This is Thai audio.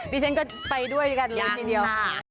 ดิฉันก็ไปด้วยกันเลยทีเดียวค่ะ